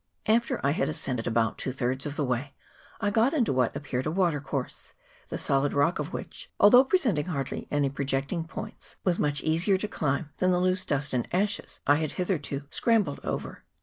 After I had ascended about two thirds of the way I got into what appeared a watercourse, the solid rock of which, although presenting hardly any projecting points, was much easier to climb than the loose dust and ashes I had hitherto scram bled over.